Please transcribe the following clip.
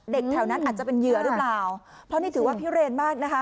แถวนั้นอาจจะเป็นเหยื่อหรือเปล่าเพราะนี่ถือว่าพิเรนมากนะคะ